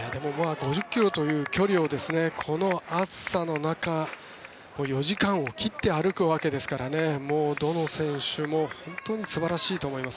５０ｋｍという距離をこの暑さの中４時間を切って歩くわけですからどの選手も本当に素晴らしいと思います。